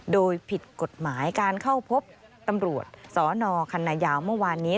โดยผิดกฎหมายการเข้าพบตำรวจสนคันนายาวเมื่อวานนี้